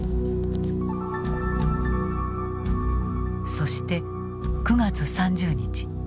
そして９月３０日。